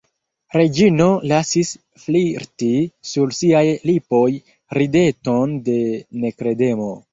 Reĝino lasis flirti sur siaj lipoj rideton de nekredemo.